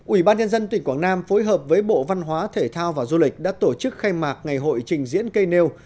ubnd tỉnh quảng nam phối hợp với bộ văn hóa thể thao và du lịch đã tổ chức khai mạc ngày hội trình diễn cây nêu